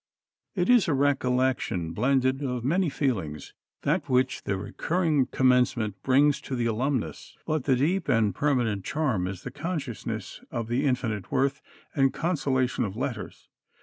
It is a recollection blended of many feelings, that which the recurring Commencement brings to the alumnus. But the deep and permanent charm is the consciousness of the infinite worth and consolation of letters.